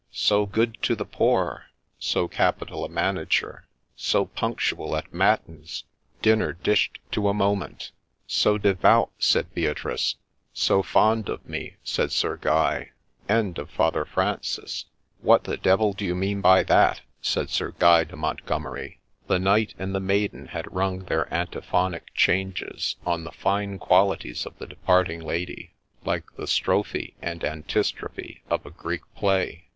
—' So good to the poor !'—' So capital a manager !'—' So punctual at matins !'—' Dinner dished to a moment !'—' So devout !' said Beatrice. —' So fond of me !' said Sir Guy. —' And of Father Francis !'—' What the devil do you mean by that ?' said Sir Guy de Montgomeri. The knight and the maiden had rung their antiphonic changes on the fine qualities of the departing Lady, like the Strophe and Antistrophe of a Greek play.